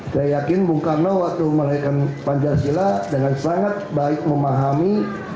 saya yakin bung karno waktu melahirkan pancasila dengan sangat baik memahami